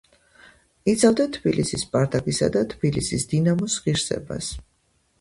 იცავდა თბილისის „სპარტაკისა“ და თბილისის „დინამოს“ ღირსებას.